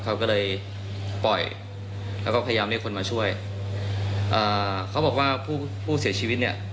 เขาก็เลยปล่อยแล้วก็พยายามเรียกคนมาช่วยอ่าเขาบอกว่าผู้ผู้เสียชีวิตเนี่ย